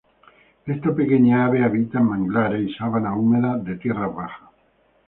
Esta pequeña ave habita en manglares y sabanas húmedas de tierras bajas.